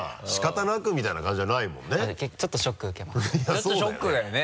ちょっとショックだよね